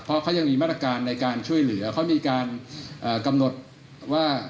เพราะเขายังมีมาตรการในการช่วยเหลือเขามีการกำหนดว่า